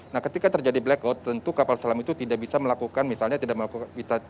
nah ketika terjadi blackout tentu kapal selam itu tidak bisa melakukan misalnya tidak bisa melakukan seperti manuver manuver